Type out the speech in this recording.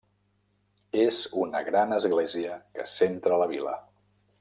És una gran església que centra la vila.